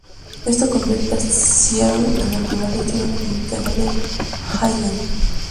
Esto convierte a Seattle en el primer destino norteamericano de Hainan.